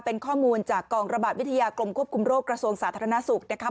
เป็นข้อมูลจากกองระบาดวิทยากรมควบคุมโรคกระทรวงสาธารณสุขนะคะ